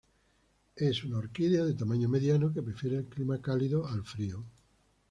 Es una orquídea de tamaño mediano, que prefiere el clima cálido al frío.